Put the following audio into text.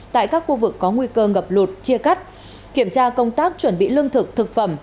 tại các khu vực có nguy cơ ngập lụt chia cắt kiểm tra công tác chuẩn bị lương thực thực phẩm